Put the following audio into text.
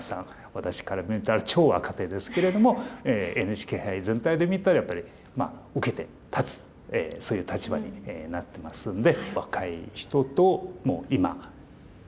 私から見たら超若手ですけれどもＮＨＫ杯全体で見たらやっぱり受けて立つそういう立場になってますんで。